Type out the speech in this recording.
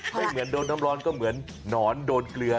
ไม่เหมือนโดนน้ำร้อนก็เหมือนหนอนโดนเกลือ